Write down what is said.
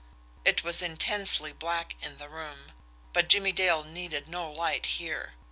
It was intensely black in the room, but Jimmie Dale needed no light here.